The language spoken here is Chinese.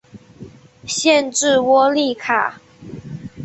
县治窝利卡。